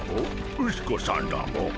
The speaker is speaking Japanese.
ウシ子さんだモ。